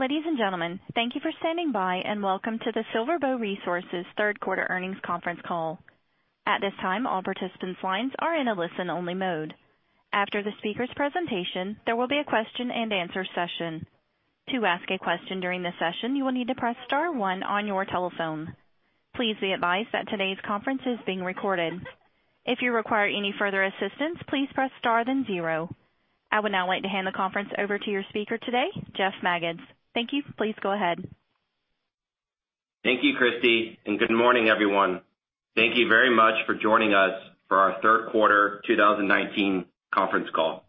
Ladies and gentlemen, thank you for standing by, and welcome to the SilverBow Resources Third Quarter Earnings Conference Call. At this time, all participants' lines are in a listen-only mode. After the speakers' presentation, there will be a question and answer session. To ask a question during the session, you will need to press star one on your telephone. Please be advised that today's conference is being recorded. If you require any further assistance, please press star, then zero. I would now like to hand the conference over to your speaker today, Jeff Magids. Thank you. Please go ahead. Thank you, Christy. Good morning, everyone. Thank you very much for joining us for our third quarter 2019 conference call.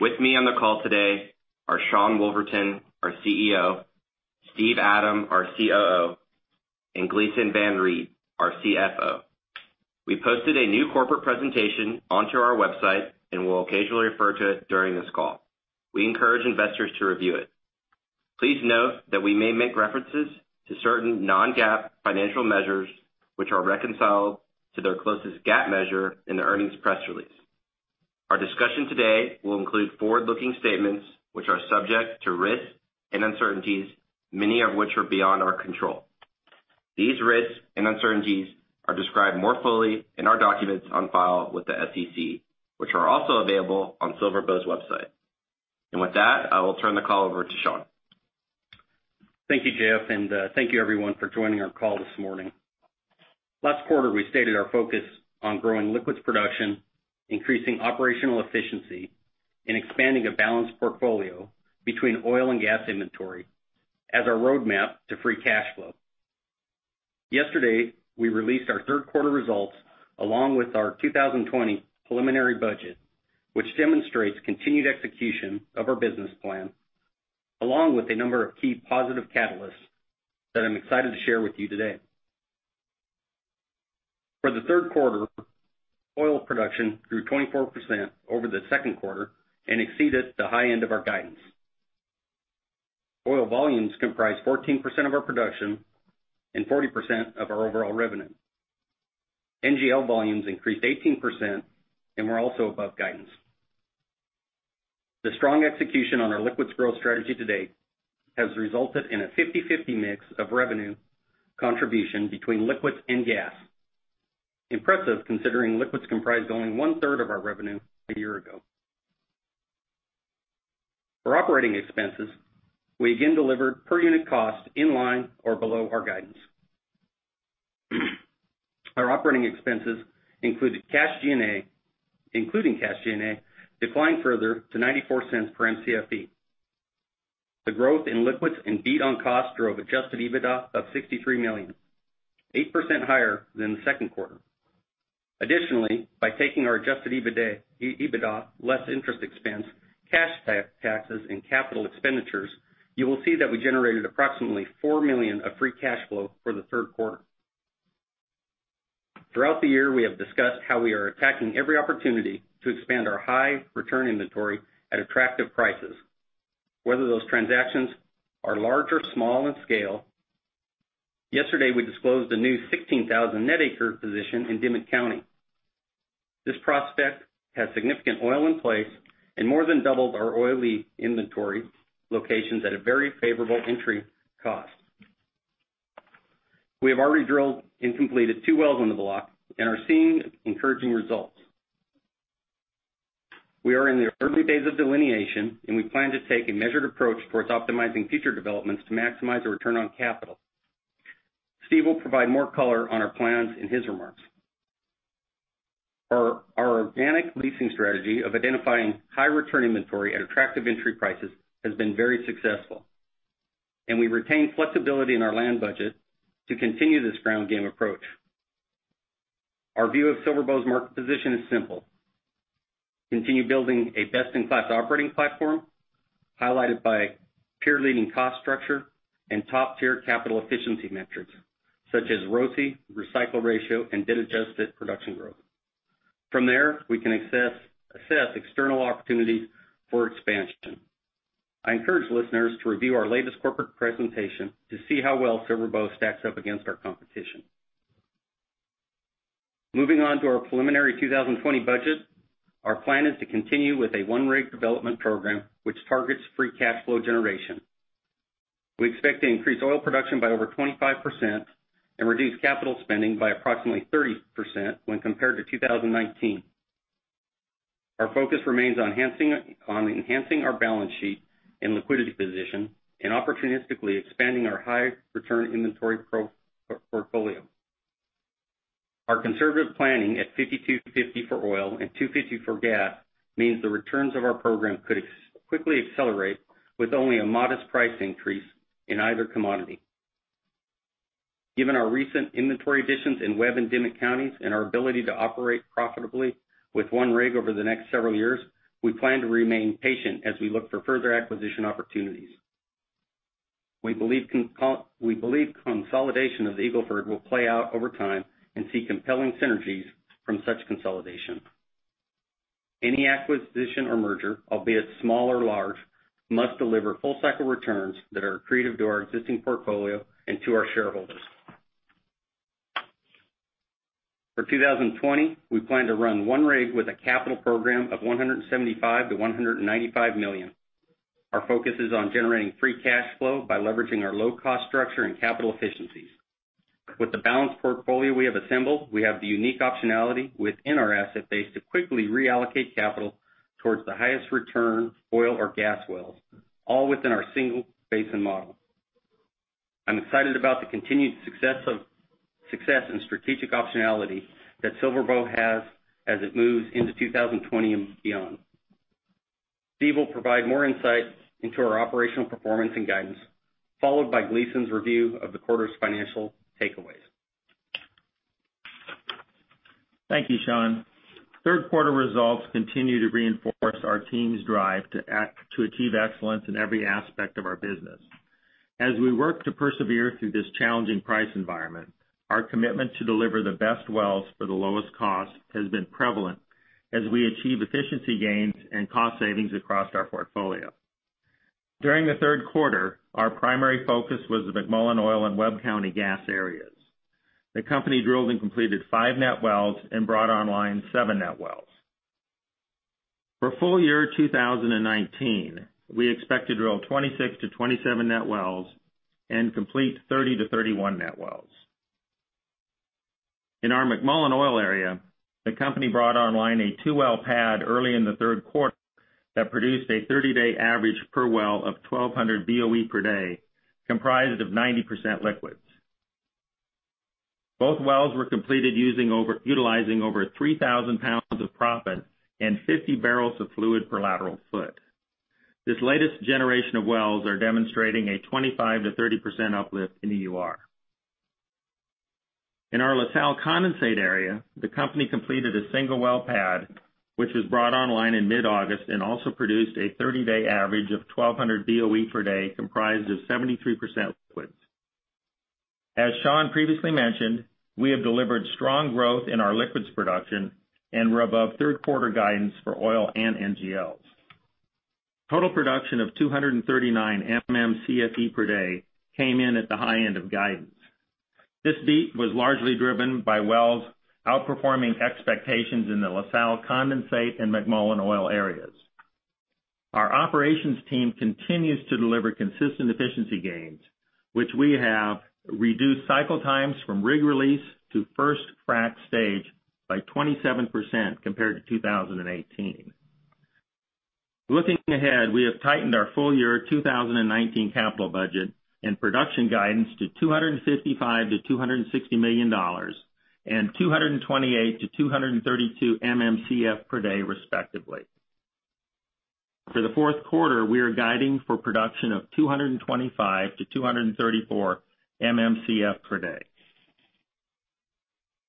With me on the call today are Sean Woolverton, our CEO, Steve Adam, our COO, and Gleeson Van Riet, our CFO. We posted a new corporate presentation onto our website and will occasionally refer to it during this call. We encourage investors to review it. Please note that we may make references to certain non-GAAP financial measures, which are reconciled to their closest GAAP measure in the earnings press release. Our discussion today will include forward-looking statements, which are subject to risks and uncertainties, many of which are beyond our control. These risks and uncertainties are described more fully in our documents on file with the SEC, which are also available on SilverBow's website. With that, I will turn the call over to Sean. Thank you, Jeff, and thank you everyone for joining our call this morning. Last quarter, we stated our focus on growing liquids production, increasing operational efficiency, and expanding a balanced portfolio between oil and gas inventory as our roadmap to free cash flow. Yesterday, we released our third quarter results along with our 2020 preliminary budget, which demonstrates continued execution of our business plan, along with a number of key positive catalysts that I'm excited to share with you today. For the third quarter, oil production grew 24% over the second quarter and exceeded the high end of our guidance. Oil volumes comprised 14% of our production and 40% of our overall revenue. NGL volumes increased 18% and were also above guidance. The strong execution on our liquids growth strategy to date has resulted in a 50/50 mix of revenue contribution between liquids and gas. Impressive, considering liquids comprised only one-third of our revenue a year ago. For operating expenses, we again delivered per unit cost in line or below our guidance. Our operating expenses included cash G&A declined further to $0.94 per Mcfe. The growth in liquids and beat on costs drove adjusted EBITDA of $63 million, 8% higher than the second quarter. Additionally, by taking our adjusted EBITDA, less interest expense, cash taxes, and capital expenditures, you will see that we generated approximately $4 million of free cash flow for the third quarter. Throughout the year, we have discussed how we are attacking every opportunity to expand our high return inventory at attractive prices, whether those transactions are large or small in scale. Yesterday, we disclosed a new 16,000 net acre position in Dimmit County. This prospect has significant oil in place and more than doubled our oily inventory locations at a very favorable entry cost. We have already drilled and completed two wells on the block and are seeing encouraging results. We are in the early days of delineation, and we plan to take a measured approach towards optimizing future developments to maximize the return on capital. Steve will provide more color on our plans in his remarks. Our organic leasing strategy of identifying high return inventory at attractive entry prices has been very successful, and we retain flexibility in our land budget to continue this ground game approach. Our view of SilverBow's market position is simple. Continue building a best-in-class operating platform highlighted by peer-leading cost structure and top-tier capital efficiency metrics such as ROCE, recycle ratio, and debt-adjusted production growth. From there, we can assess external opportunities for expansion. I encourage listeners to review our latest corporate presentation to see how well SilverBow stacks up against our competition. Moving on to our preliminary 2020 budget. Our plan is to continue with a one-rig development program which targets free cash flow generation. We expect to increase oil production by over 25% and reduce capital spending by approximately 30% when compared to 2019. Our focus remains on enhancing our balance sheet and liquidity position and opportunistically expanding our high return inventory portfolio. Our conservative planning at $52.50 for oil and $2.50 for gas means the returns of our program could quickly accelerate with only a modest price increase in either commodity. Given our recent inventory additions in Webb and Dimmit counties and our ability to operate profitably with one rig over the next several years, we plan to remain patient as we look for further acquisition opportunities. We believe consolidation of the Eagle Ford will play out over time and see compelling synergies from such consolidation. Any acquisition or merger, albeit small or large, must deliver full cycle returns that are accretive to our existing portfolio and to our shareholders. For 2020, we plan to run one rig with a capital program of $175 million-$195 million. Our focus is on generating free cash flow by leveraging our low-cost structure and capital efficiencies. With the balanced portfolio we have assembled, we have the unique optionality within our asset base to quickly reallocate capital towards the highest return oil or gas wells, all within our single basin model. I'm excited about the continued success and strategic optionality that SilverBow has as it moves into 2020 and beyond. Steve will provide more insight into our operational performance and guidance, followed by Gleeson's review of the quarter's financial takeaways. Thank you, Sean. Third quarter results continue to reinforce our team's drive to achieve excellence in every aspect of our business. As we work to persevere through this challenging price environment, our commitment to deliver the best wells for the lowest cost has been prevalent as we achieve efficiency gains and cost savings across our portfolio. During the third quarter, our primary focus was the McMullen Oil and Webb County gas areas. The company drilled and completed five net wells and brought online seven net wells. For full year 2019, we expect to drill 26 net wells-27 net wells and complete 30 net wells-31 net wells. In our McMullen Oil area, the company brought online a two-well pad early in the third quarter that produced a 30-day average per well of 1,200 BOE per day, comprised of 90% liquids. Both wells were completed utilizing over 3,000 pounds of proppant and 50 barrels of fluid per lateral foot. This latest generation of wells are demonstrating a 25%-30% uplift in EUR. In our La Salle Condensate area, the company completed a single well pad, which was brought online in mid-August and also produced a 30-day average of 1,200 BOE per day, comprised of 73% liquids. As Sean previously mentioned, we have delivered strong growth in our liquids production and were above third-quarter guidance for oil and NGLs. Total production of 239 MMcf per day came in at the high end of guidance. This beat was largely driven by wells outperforming expectations in the La Salle Condensate and McMullen Oil areas. Our operations team continues to deliver consistent efficiency gains, which we have reduced cycle times from rig release to first frack stage by 27% compared to 2018. Looking ahead, we have tightened our full-year 2019 capital budget and production guidance to $255 million-$260 million and 228-232 MMcf per day, respectively. For the fourth quarter, we are guiding for production of 225-234 MMcf per day.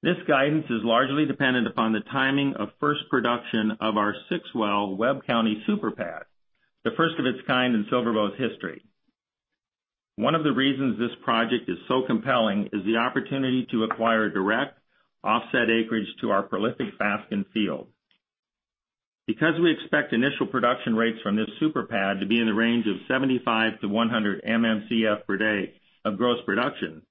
This guidance is largely dependent upon the timing of first production of our 6-well Webb County super pad, the first of its kind in SilverBow's history. One of the reasons this project is so compelling is the opportunity to acquire direct offset acreage to our prolific Fasken field. Because we expect initial production rates from this super pad to be in the range of 75-100 MMcf per day of gross production,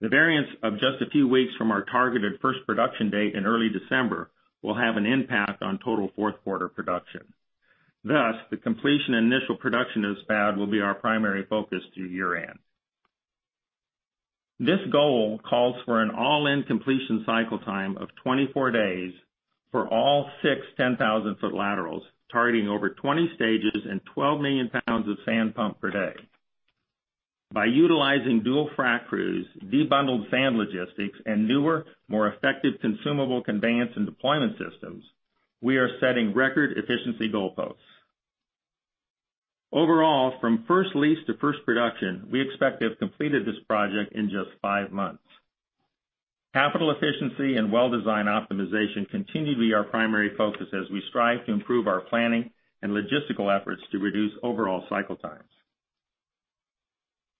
the variance of just a few weeks from our targeted first production date in early December will have an impact on total fourth quarter production. Thus, the completion and initial production of this pad will be our primary focus through year-end. This goal calls for an all-in completion cycle time of 24 days for all six 10,000-foot laterals, targeting over 20 stages and 12 million pounds of sand pump per day. By utilizing dual frack crews, de-bundled sand logistics, and newer, more effective consumable conveyance and deployment systems, we are setting record efficiency goalposts. Overall, from first lease to first production, we expect to have completed this project in just five months. Capital efficiency and well design optimization continue to be our primary focus as we strive to improve our planning and logistical efforts to reduce overall cycle times.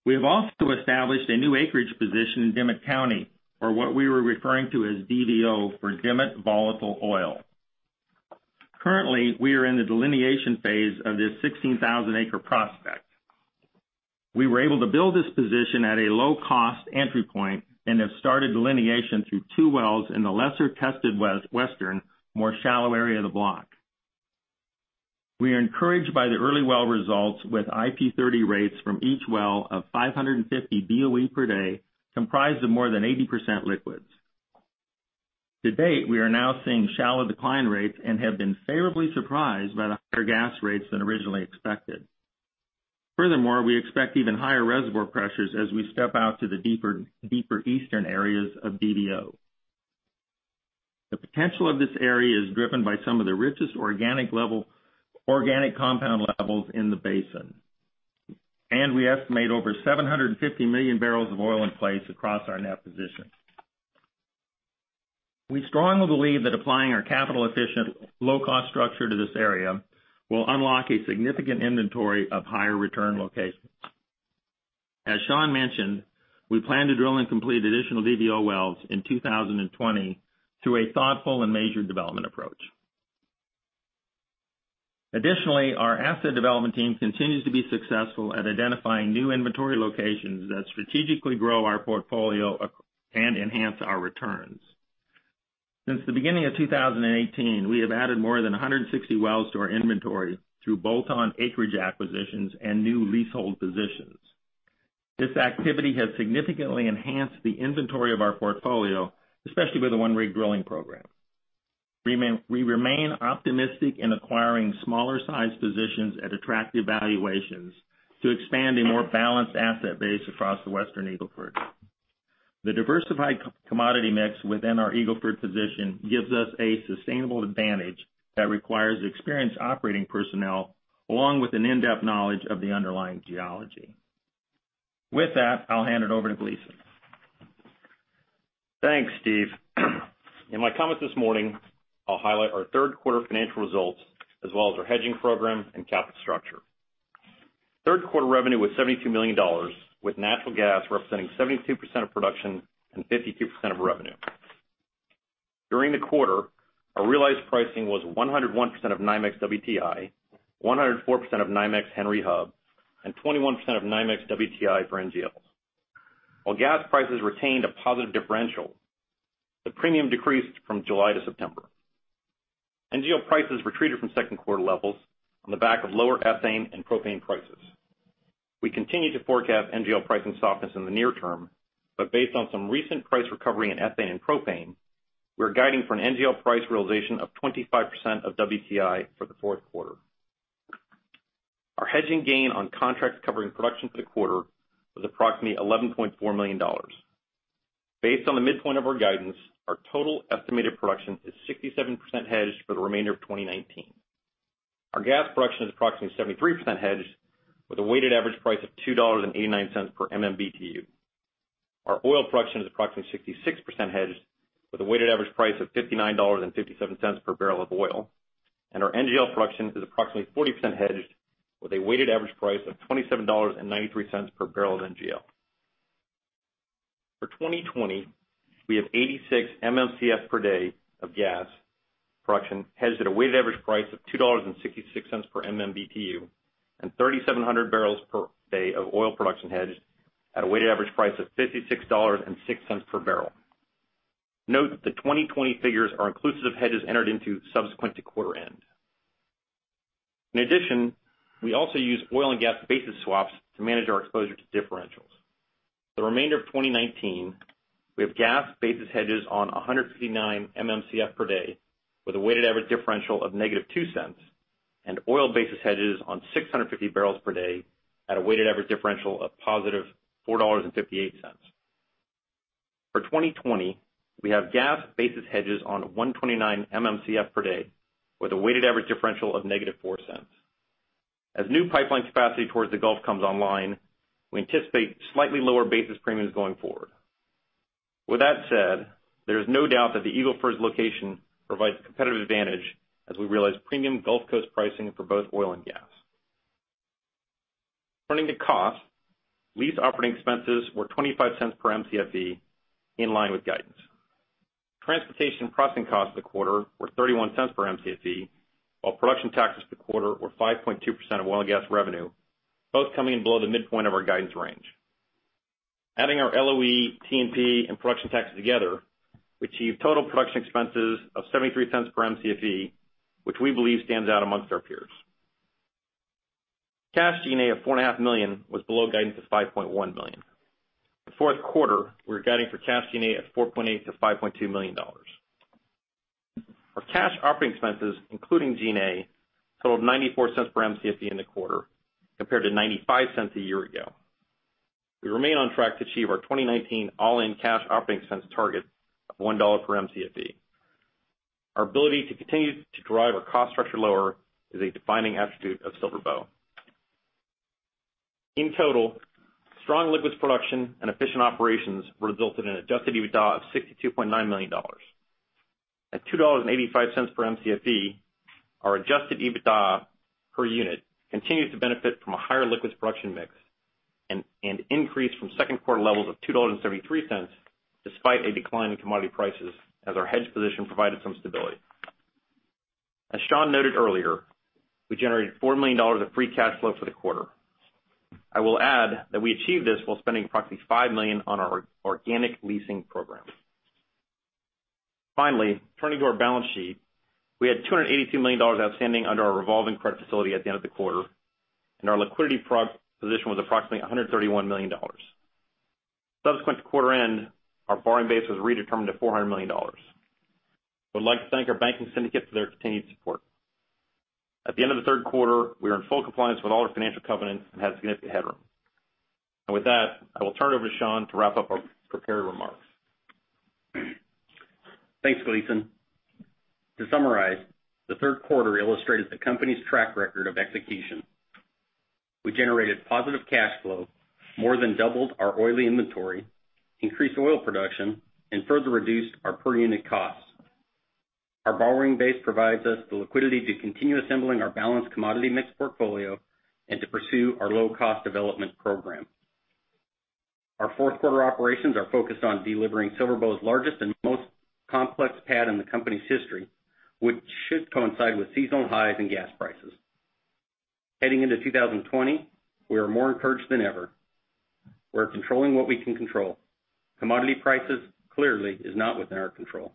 We have also established a new acreage position in Dimmit County for what we are referring to as DVO, or Dimmit Volatile Oil. Currently, we are in the delineation phase of this 16,000-acre prospect. We were able to build this position at a low-cost entry point and have started delineation through two wells in the lesser-tested western, more shallow area of the block. We are encouraged by the early well results with IP 30 rates from each well of 550 BOE per day, comprised of more than 80% liquids. To date, we are now seeing shallow decline rates and have been favorably surprised by the higher gas rates than originally expected. Furthermore, we expect even higher reservoir pressures as we step out to the deeper eastern areas of DVO. The potential of this area is driven by some of the richest organic compound levels in the basin, and we estimate over 750 million barrels of oil in place across our net position. We strongly believe that applying our capital-efficient, low-cost structure to this area will unlock a significant inventory of higher return locations. As Sean mentioned, we plan to drill and complete additional DVO wells in 2020 through a thoughtful and measured development approach. Additionally, our asset development team continues to be successful at identifying new inventory locations that strategically grow our portfolio and enhance our returns. Since the beginning of 2018, we have added more than 160 wells to our inventory through bolt-on acreage acquisitions and new leasehold positions. This activity has significantly enhanced the inventory of our portfolio, especially with the one-rig drilling program. We remain optimistic in acquiring smaller-sized positions at attractive valuations to expand a more balanced asset base across the Western Eagle Ford. The diversified commodity mix within our Eagle Ford position gives us a sustainable advantage that requires experienced operating personnel, along with an in-depth knowledge of the underlying geology. With that, I'll hand it over to Gleeson. Thanks, Steve. In my comments this morning, I'll highlight our third quarter financial results, as well as our hedging program and capital structure. Third quarter revenue was $72 million, with natural gas representing 72% of production and 52% of revenue. During the quarter, our realized pricing was 101% of NYMEX WTI, 104% of NYMEX Henry Hub, and 21% of NYMEX WTI for NGLs. While gas prices retained a positive differential, the premium decreased from July to September. NGL prices retreated from second quarter levels on the back of lower ethane and propane prices. We continue to forecast NGL pricing softness in the near term, but based on some recent price recovery in ethane and propane, we are guiding for an NGL price realization of 25% of WTI for the fourth quarter. Our hedging gain on contracts covering production for the quarter was approximately $11.4 million. Based on the midpoint of our guidance, our total estimated production is 67% hedged for the remainder of 2019. Our gas production is approximately 73% hedged, with a weighted average price of $2.89 per MMBtu. Our oil production is approximately 66% hedged, with a weighted average price of $59.57 per barrel of oil. Our NGL production is approximately 40% hedged, with a weighted average price of $27.93 per barrel of NGL. For 2020, we have 86 MMcf per day of gas production hedged at a weighted average price of $2.66 per MMBtu and 3,700 barrels per day of oil production hedged at a weighted average price of $56.06 per barrel. Note that the 2020 figures are inclusive of hedges entered into subsequent to quarter end. In addition, we also use oil and gas basis swaps to manage our exposure to differentials. The remainder of 2019, we have gas basis hedges on 159 MMcf per day with a weighted average differential of negative $0.02, and oil basis hedges on 650 barrels per day at a weighted average differential of positive $4.58. For 2020, we have gas basis hedges on 129 MMcf per day with a weighted average differential of negative $0.04. As new pipeline capacity towards the Gulf comes online, we anticipate slightly lower basis premiums going forward. With that said, there is no doubt that the Eagle Ford's location provides a competitive advantage as we realize premium Gulf Coast pricing for both oil and gas. Turning to cost, lease operating expenses were $0.25 per Mcfe, in line with guidance. Transportation and processing costs of the quarter were $0.31 Mcfe, while production taxes for the quarter were 5.2% of oil and gas revenue, both coming in below the midpoint of our guidance range. Adding our LOE, T&P, and production taxes together, we achieved total production expenses of $0.73 per Mcfe, which we believe stands out amongst our peers. Cash G&A of $4.5 million was below guidance of $5.1 million. For the fourth quarter, we're guiding for cash G&A of $4.8 million-$5.2 million. Our cash operating expenses, including G&A, totaled $0.94 per Mcfe in the quarter, compared to $0.95 a year ago. We remain on track to achieve our 2019 all-in cash operating expense target of $1 per Mcfe. Our ability to continue to drive our cost structure lower is a defining attribute of SilverBow. In total, strong liquids production and efficient operations resulted in adjusted EBITDA of $62.9 million. At $2.85 per Mcfe, our adjusted EBITDA per unit continues to benefit from a higher liquids production mix, and increased from second quarter levels of $2.73, despite a decline in commodity prices as our hedge position provided some stability. As Sean noted earlier, we generated $4 million of free cash flow for the quarter. I will add that we achieved this while spending approximately $5 million on our organic leasing program. Turning to our balance sheet, we had $282 million outstanding under our revolving credit facility at the end of the quarter, and our liquidity position was approximately $131 million. Subsequent to quarter end, our borrowing base was redetermined to $400 million. We would like to thank our banking syndicate for their continued support. At the end of the third quarter, we are in full compliance with all our financial covenants and have significant headroom. With that, I will turn it over to Sean to wrap up our prepared remarks. Thanks, Gleeson. To summarize, the third quarter illustrated the company's track record of execution. We generated positive cash flow, more than doubled our oily inventory, increased oil production, and further reduced our per-unit costs. Our borrowing base provides us the liquidity to continue assembling our balanced commodity mixed portfolio and to pursue our low-cost development program. Our fourth quarter operations are focused on delivering SilverBow's largest and most complex pad in the company's history, which should coincide with seasonal highs in gas prices. Heading into 2020, we are more encouraged than ever. We're controlling what we can control. Commodity prices clearly is not within our control.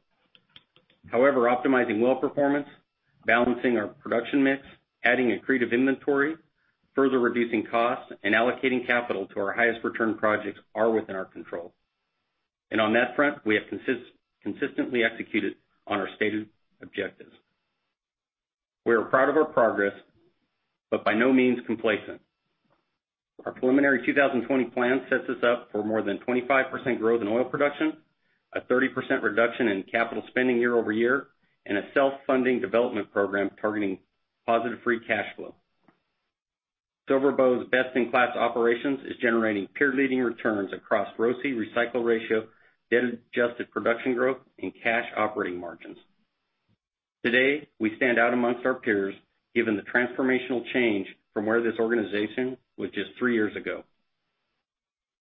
However, optimizing well performance, balancing our production mix, adding accretive inventory, further reducing costs, and allocating capital to our highest return projects are within our control. On that front, we have consistently executed on our stated objectives. We are proud of our progress, but by no means complacent. Our preliminary 2020 plan sets us up for more than 25% growth in oil production, a 30% reduction in capital spending year-over-year, and a self-funding development program targeting positive free cash flow. SilverBow's best-in-class operations is generating peer-leading returns across ROCE recycle ratio, debt-adjusted production growth, and cash operating margins. Today, we stand out amongst our peers, given the transformational change from where this organization was just three years ago.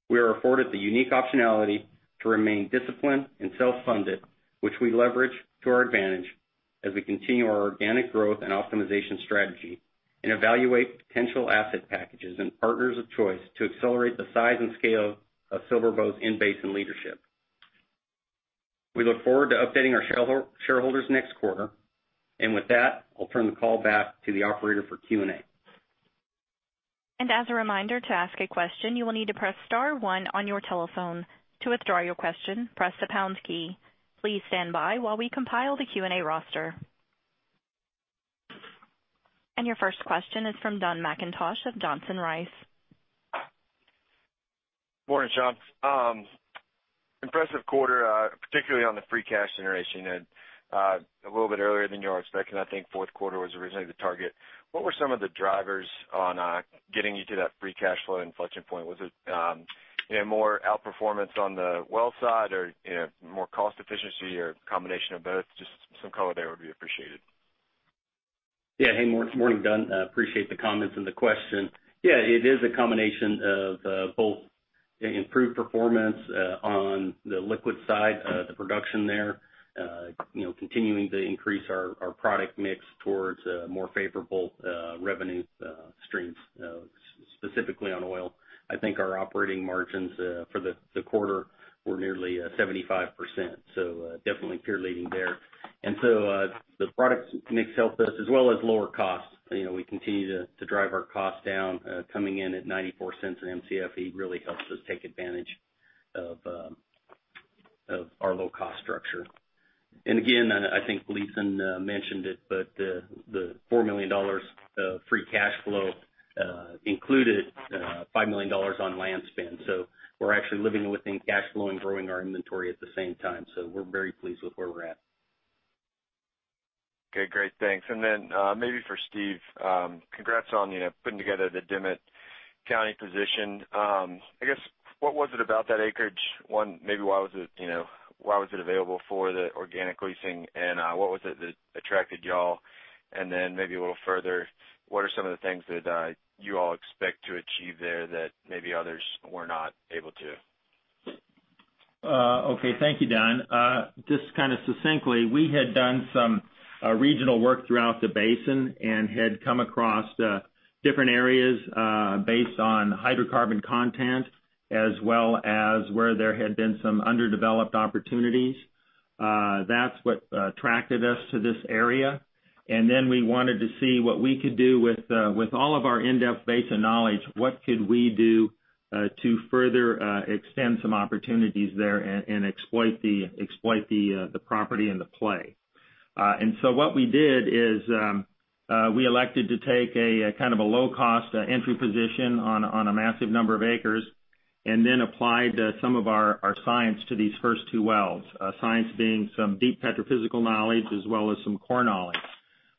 We are afforded the unique optionality to remain disciplined and self-funded, which we leverage to our advantage as we continue our organic growth and optimization strategy and evaluate potential asset packages and partners of choice to accelerate the size and scale of SilverBow's in-basin leadership. We look forward to updating our shareholders next quarter. With that, I'll turn the call back to the operator for Q&A. As a reminder, to ask a question, you will need to press star one on your telephone. To withdraw your question, press the pound key. Please stand by while we compile the Q&A roster. Your first question is from Don McIntosh of Johnson Rice. Morning, Sean. Impressive quarter, particularly on the free cash generation, a little bit earlier than you all expected. I think fourth quarter was originally the target. What were some of the drivers on getting you to that free cash flow inflection point? Was it more outperformance on the well side, or more cost efficiency or combination of both? Just some color there would be appreciated. Yeah. Hey, morning, Don. Appreciate the comments and the question. Yeah, it is a combination of both improved performance on the liquid side, the production there, continuing to increase our product mix towards more favorable revenue streams, specifically on oil. I think our operating margins for the quarter were nearly 75%. Definitely peer leading there. The product mix helped us, as well as lower costs. We continue to drive our costs down. Coming in at $0.94 an Mcfe really helps us take advantage of our low-cost structure. Again, I think Gleeson mentioned it, but the $4 million of free cash flow included $5 million on land spend. We're actually living within cash flow and growing our inventory at the same time. We're very pleased with where we're at. Okay, great. Thanks. Then, maybe for Steve, congrats on putting together the Dimmit County position. I guess, what was it about that acreage? One, maybe why was it available for the organic leasing, and what was it that attracted y'all? Then maybe a little further, what are some of the things that you all expect to achieve there that maybe others were not able to? Okay. Thank you, Don. Just succinctly, we had done some regional work throughout the basin and had come across different areas based on hydrocarbon content, as well as where there had been some underdeveloped opportunities. That's what attracted us to this area. We wanted to see what we could do with all of our in-depth basin knowledge, what could we do to further extend some opportunities there and exploit the property and the play. What we did is, we elected to take a low-cost entry position on a massive number of acres, and then applied some of our science to these first two wells, science being some deep petrophysical knowledge as well as some core knowledge.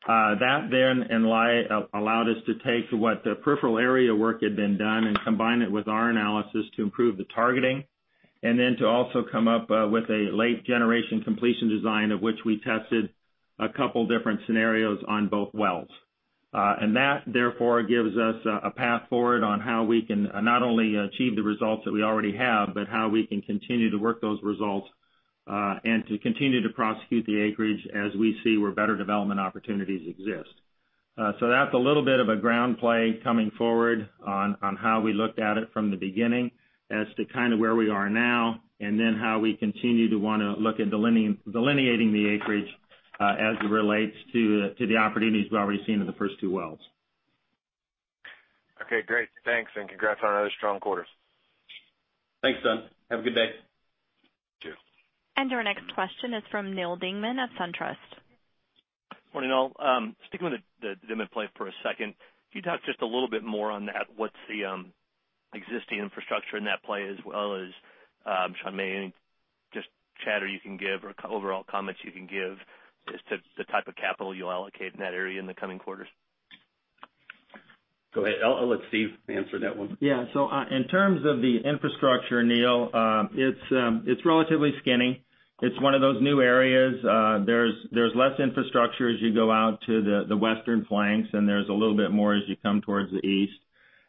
That then allowed us to take what peripheral area work had been done and combine it with our analysis to improve the targeting, and then to also come up with a late-generation completion design, of which we tested a couple different scenarios on both wells. That, therefore, gives us a path forward on how we can not only achieve the results that we already have, but how we can continue to work those results, and to continue to prosecute the acreage as we see where better development opportunities exist. That's a little bit of a ground play coming forward on how we looked at it from the beginning as to where we are now, and then how we continue to want to look at delineating the acreage as it relates to the opportunities we've already seen in the first two wells. Okay, great. Thanks. Congrats on another strong quarter. Thanks, Don. Have a good day. You too. Our next question is from Neal Dingmann of SunTrust. Morning, all. Sticking with the Dimmit play for a second, can you talk just a little bit more on what's the existing infrastructure in that play, as well as, Sean maybe any just chatter you can give or overall comments you can give as to the type of capital you'll allocate in that area in the coming quarters? Go ahead. I'll let Steve answer that one. Yeah. In terms of the infrastructure, Neal, it's relatively skinny. It's one of those new areas. There's less infrastructure as you go out to the western flanks, and there's a little bit more as you come towards the east.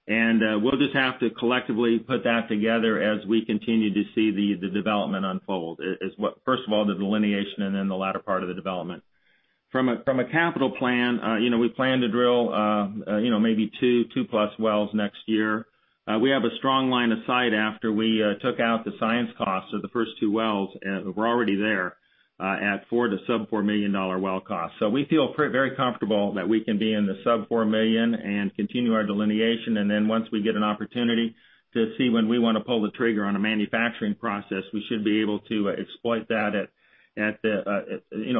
We'll just have to collectively put that together as we continue to see the development unfold. First of all, the delineation, and then the latter part of the development. From a capital plan, we plan to drill maybe two plus wells next year. We have a strong line of sight after we took out the science costs of the first two wells, we're already there at four to sub-$4 million well cost. We feel very comfortable that we can be in the sub-$4 million and continue our delineation. Once we get an opportunity to see when we want to pull the trigger on a manufacturing process, we should be able to exploit that at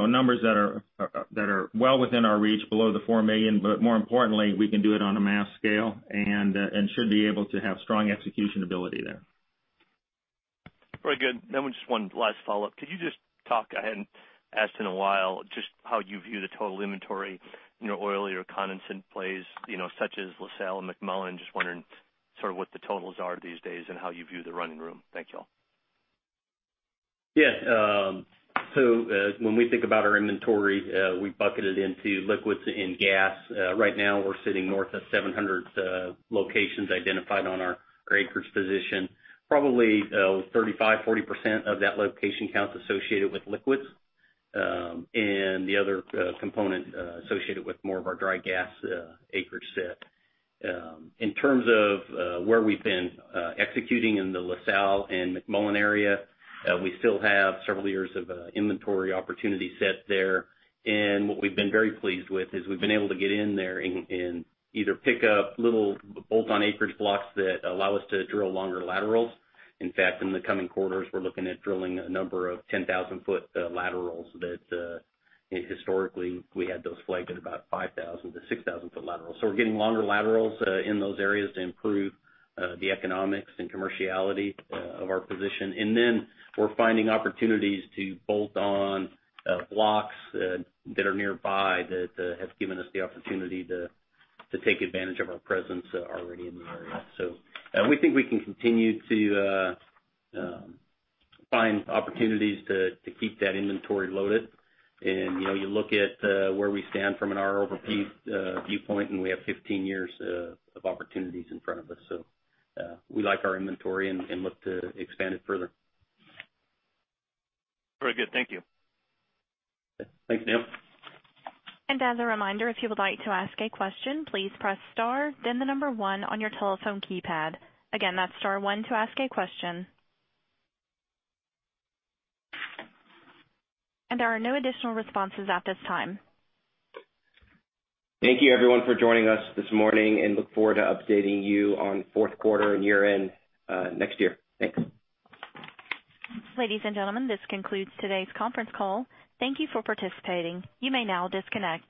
numbers that are well within our reach, below the $4 million. More importantly, we can do it on a mass scale, and should be able to have strong execution ability there. Very good. Just one last follow-up. Could you just talk, I hadn't asked in a while, just how you view the total inventory in your oilier condensate plays, such as La Salle and McMullen. Just wondering sort of what the totals are these days and how you view the running room. Thank you all. When we think about our inventory, we bucket it into liquids and gas. Right now we're sitting north of 700 locations identified on our acreage position. Probably 35%-40% of that location count's associated with liquids. The other component associated with more of our dry gas acreage set. In terms of where we've been executing in the La Salle and McMullen area, we still have several years of inventory opportunity set there. What we've been very pleased with is we've been able to get in there and either pick up little bolt-on acreage blocks that allow us to drill longer laterals. In fact, in the coming quarters, we're looking at drilling a number of 10,000-foot laterals that historically we had those flagged at about 5,000-6,000-foot laterals. We're getting longer laterals in those areas to improve the economics and commerciality of our position. We're finding opportunities to bolt on blocks that are nearby that have given us the opportunity to take advantage of our presence already in the area. We think we can continue to find opportunities to keep that inventory loaded. You look at where we stand from an R/P viewpoint, and we have 15 years of opportunities in front of us. We like our inventory and look to expand it further. Very good. Thank you. Thanks, Neal. As a reminder, if you would like to ask a question, please press star, then the number one on your telephone keypad. Again, that's star one to ask a question. There are no additional responses at this time. Thank you everyone for joining us this morning, and look forward to updating you on fourth quarter and year-end next year. Thanks. Ladies and gentlemen, this concludes today's conference call. Thank you for participating. You may now disconnect.